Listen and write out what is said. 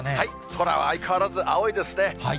空は相変わらず青いですね。